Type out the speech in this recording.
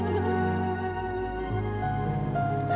aku bisa menentukan hidupku sendiri